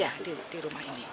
ya di rumah ini